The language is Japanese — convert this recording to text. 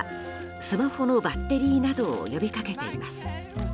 スマホのバッテリーなどを呼び掛けています。